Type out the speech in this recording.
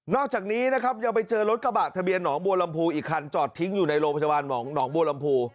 นอกจากนี้นะครับจะไปเจอรถกระบะทะเบียนหนองบูรอำพูอีกคันจอดทิ้งอยู่ในโรงพจาวรรภ์มองหนองบูรอำพู